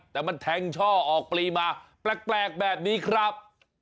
แต่มันแทงช่อออกปลีมาแปลกแบบนี้ครับ